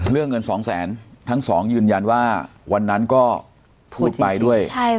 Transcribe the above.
เงินสองแสนทั้งสองยืนยันว่าวันนั้นก็พูดไปด้วย